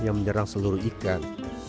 yang menyerang seluruh ikan